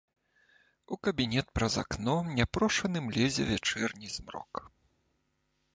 У кабінет праз акно няпрошаным лезе вячэрні змрок.